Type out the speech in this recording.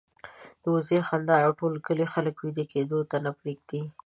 د وزې خندا د ټول کلي خلک وېده کېدو ته نه پرېږدي.